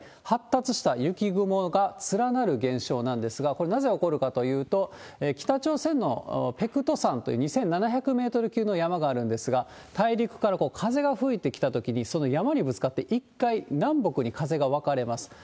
発達した雪雲が連なる現象なんですが、これ、なぜ起こるかというと、北朝鮮のペクト山という２７００メートル級の山があるんですが、大陸から風が吹いてきたときに、その山にぶつかって、１回南北に風が分かれます。